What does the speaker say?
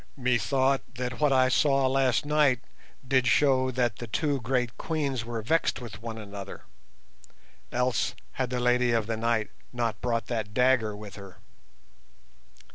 "Methought that what I saw last night did show that the two great Queens were vexed one with another. Else had the 'Lady of the Night' not brought that dagger with her."